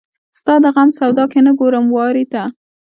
ستا د غم سودا کې نه ګورم وارې ته